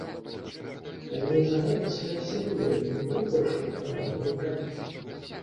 Але я занадта своеасаблівая і не падыходжу пад фармат яго праекта.